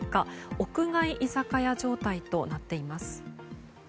屋外居酒屋状態となっています。